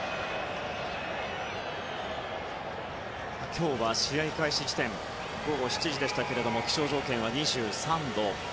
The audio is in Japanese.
今日は試合開始時点午後７時でしたけども気象条件は２３度。